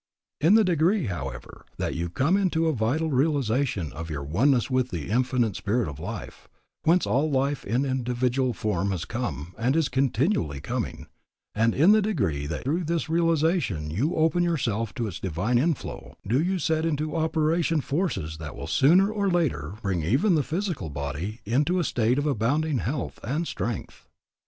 In the degree, however, that you come into a vital realization of your oneness with the Infinite Spirit of Life, whence all life in individual form has come and is continually coming, and in the degree that through this realization you open yourself to its divine inflow, do you set into operation forces that will sooner or later bring even the physical body into a state of abounding health and strength.